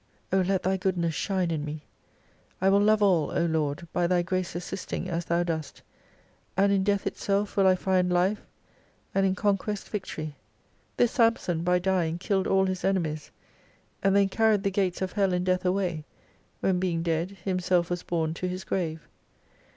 O let Thy goodness shine in me ! I will love all, O Lord, by Thy grace assisting as Thou dost : And in death itself will I find life, and in conquest victory. This Sampson by dying killed aU his enemies : and then carried the Gates of Hell and Death away, when being dead, Himself was borne to His grave.